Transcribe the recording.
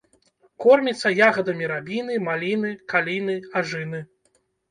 Корміцца ягадамі рабіны, маліны, каліны, ажыны.